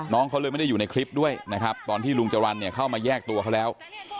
น้องเขาเลยไม่ได้อยู่ในคลิปด้วยนะครับตอนที่ลุงจรรย์เนี่ยเข้ามาแยกตัวเขาแล้ว